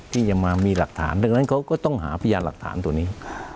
ที่จะมามีหลักฐานดังนั้นเขาก็ต้องหาพยานหลักฐานตัวนี้